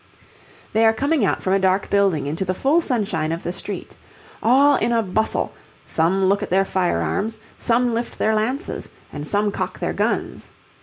They are coming out from a dark building into the full sunshine of the street. All in a bustle, some look at their fire arms, some lift their lances, and some cock their guns.